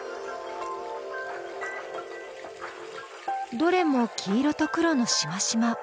どれも黄色と黒のしましま。